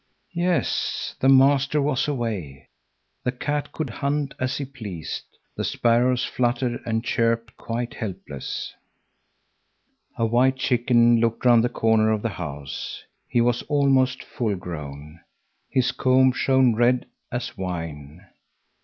Yes, the master was away, the cat could hunt as he pleased. The sparrows fluttered and chirped, quite helpless. A white chicken looked round the corner of the house. He was almost full grown. His comb shone red as wine.